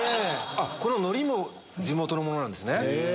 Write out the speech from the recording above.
この海苔も地元のものなんですね。